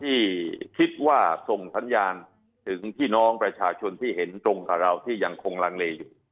ที่คิดว่าส่งสัญญาณถึงพี่น้องประชาชนที่เห็นตรงกับเราที่ยังคงลังเลอยู่